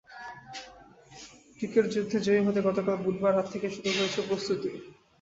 Ticket যুদ্ধে জয়ী হতে গতকাল বুধবার রাত থেকেই শুরু হয়েছে প্রস্তুতি।